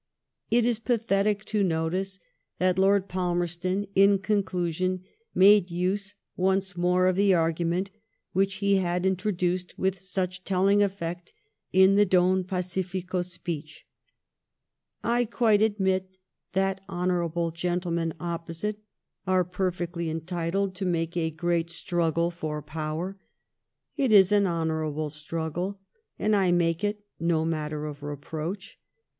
It is pathetio to notice that Lord Falmerston in conclusion made use once more of the argument which he had in troduced with such telling efiect in the Don Facifico SB I qTiite admit that hon. gentlemen opposite are perfectly entitled to> make a great stmggle for power. It is an honourable struggle, and I make it no matter of reproach.